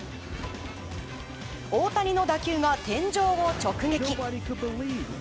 大谷の打球が天井を直撃。